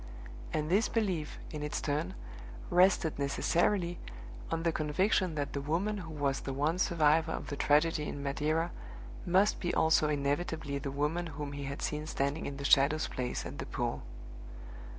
And this belief, in its turn, rested, necessarily, on the conviction that the woman who was the one survivor of the tragedy in Madeira must be also inevitably the woman whom he had seen standing in the Shadow's place at the pool.